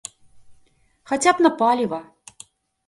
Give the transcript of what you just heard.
Хаця б на паліва.